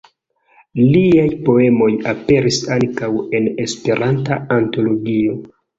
Liaj poemoj aperis ankaŭ en "Esperanta Antologio".